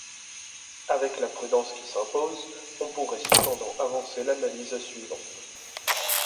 Avec la prudence qui s'impose, on pourrait cependant avancer l'analyse suivante.